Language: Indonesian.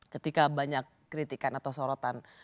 ketika banyak kritikan atau sorotan